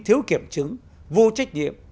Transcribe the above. thiếu kiểm chứng vô trách nhiệm